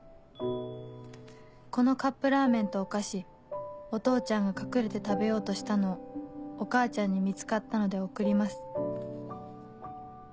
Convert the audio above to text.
「このカップラーメンとお菓子お父ちゃんが隠れて食べようとしたのをお母ちゃんに見つかったので送ります」